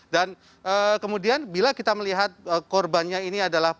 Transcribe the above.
dan kemudian bila kita melihat korbannya ini adalah